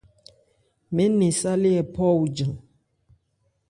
Mɛɛ́n nɛn sálé hɛ phɔ ojan.